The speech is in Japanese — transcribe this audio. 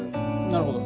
なるほど。